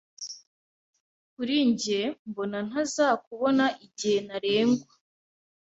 Kuri njye mbona ntazakubona igihe ntarengwa